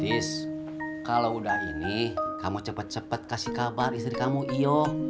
tis kalau udah ini kamu cepet cepet kasih kabar istri kamu iyo